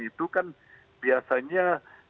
itu kan biasanya